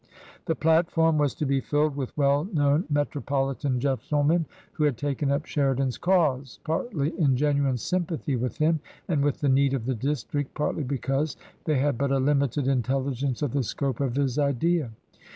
The platform was to be filled with well known metro politan gentlemen who had taken up Sheridan's cause, partly in genuine sympathy with him and with the need of the district, partly because they had but a limited in telligence of the scope of his Idea.